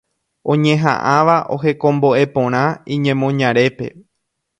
oñeha'ãva ohekombo'e porã iñemoñarépe.